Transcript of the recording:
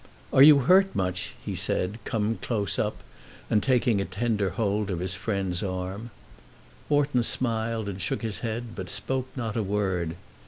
"Are you hurt much?" he said, coming close up and taking a tender hold of his friend's arm. Wharton smiled and shook his head, but spoke not a word.